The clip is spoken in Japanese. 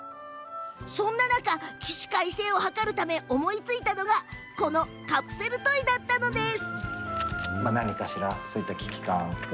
そんな中起死回生を図り思いついたのがこのカプセルトイだったんです。